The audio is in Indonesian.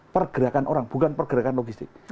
pergerakan orang bukan pergerakan logistik